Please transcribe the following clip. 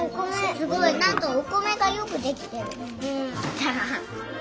すごいなんとおこめがよくできてる。